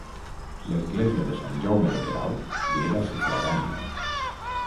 L'església de Sant Jaume de Queralt li era sufragània.